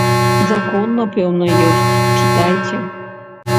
Закон, напэўна, ёсць, чытайце.